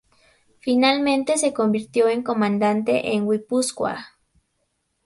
Finalmente, se convirtió en Comandante en Guipúzcoa.